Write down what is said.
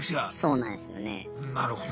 なるほどな。